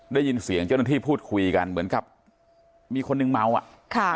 ได้ยินเสียงเจ้าหน้าที่พูดคุยกันเหมือนกับมีคนนึงเมาอ่ะค่ะ